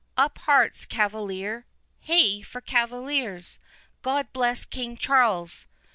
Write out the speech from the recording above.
—Up hearts, cavaliers!—Hey for cavaliers!—God bless King Charles!